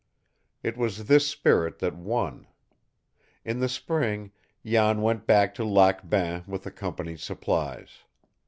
It was this spirit that won. In the spring, Jan went back to Lac Bain with the company's supplies.